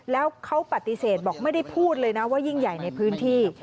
แล้วเขาปฏิเสธบอกไม่ได้พูดเลยนะว่ายิ่งใหญ่ในพื้นที่